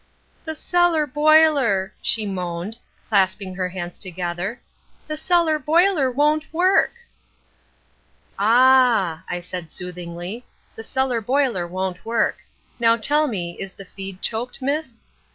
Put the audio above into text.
"'The cellar boiler,' she moaned, clasping her hands together, 'the cellar boiler won't work!' "'Ah!' I said soothingly. 'The cellar boiler won't work. Now tell me, is the feed choked, miss?'